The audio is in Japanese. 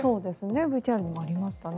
ＶＴＲにもありましたね。